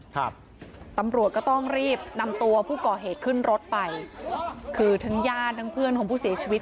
ครับตำรวจก็ต้องรีบนำตัวผู้ก่อเหตุขึ้นรถไปคือทั้งญาติทั้งเพื่อนของผู้เสียชีวิต